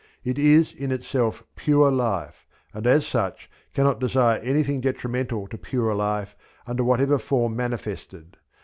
It is in itself pure Life, and as such cannot desire anything detrimental to pure Life under whatever form manifested.